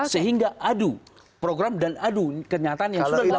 sehingga adu program dan adu kenyataan yang sudah dilakukan